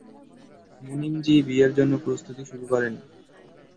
মুনিমজি, বিয়ের জন্য প্রস্তুতি শুরু করেন।